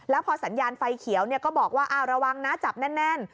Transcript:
แล้วพอสัญญาณไฟเขียวก็บอกว่าระวังนะจับแน่น